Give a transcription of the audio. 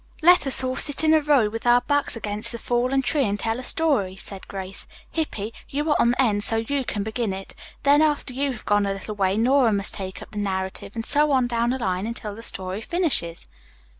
"Let us all sit in a row with our backs against this fallen tree and tell a story," said Grace. "Hippy, you are on the end, so you can begin it, then after you have gone a little way, Nora must take up the narrative, and so on down the line until the story is finished."